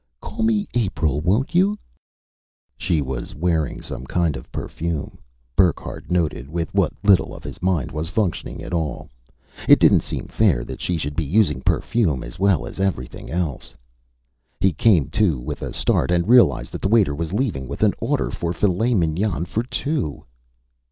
"Call me April, won't you?" She was wearing some kind of perfume, Burckhardt noted with what little of his mind was functioning at all. It didn't seem fair that she should be using perfume as well as everything else. He came to with a start and realized that the waiter was leaving with an order for filets mignon for two.